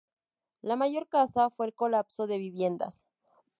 La mayor causa fue el colapso de viviendas.